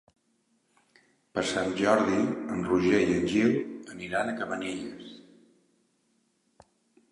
Per Sant Jordi en Roger i en Gil aniran a Cabanelles.